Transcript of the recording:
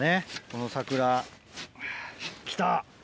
この桜。来た。